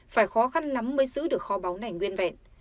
phải khó khăn lắm mới giữ được kho báu này nguyên vẹn